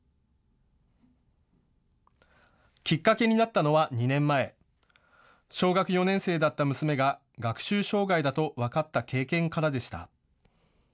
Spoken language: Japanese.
きっかけになったのは２年前、小学４年生だった娘が学習障害だと分かった経験からでした。